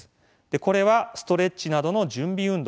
これはストレッチなどの準備運動。